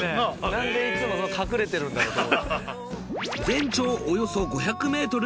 何でいつも隠れてるんだろうと。